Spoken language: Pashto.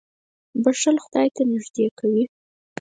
• بښل خدای ته نېږدې کوي.